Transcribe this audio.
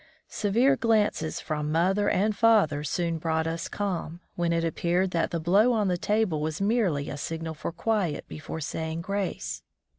Severe glances from mother and father soon brought us calm, when it appeared that the blow on the table was merely a signal for quiet before saying grace.